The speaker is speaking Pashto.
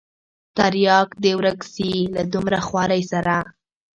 ترياک دې ورک سي له دومره خوارۍ سره.